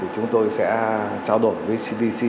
chúng tôi sẽ trao đổi với cdc